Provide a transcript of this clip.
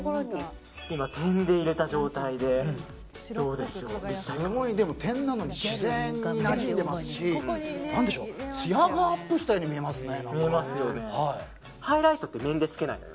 今、点で入れた状態ですごい点なのに自然になじんでますしつやがアップしたように見えますね。